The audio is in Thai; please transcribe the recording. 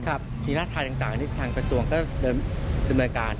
ครับศิลาธารต่างที่ทางประสวงก็เดินสำเร็จการ